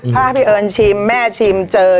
ถ้าพี่เอิญชิมแม่ชิมเจอ